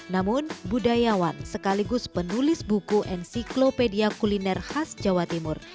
namun budayawan sekaligus penulis buku ensiklopedia kuliner khas jawa timur